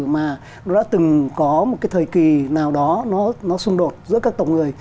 mà nó đã từng có một cái thời kỳ nào đó nó xung đột giữa các tổng người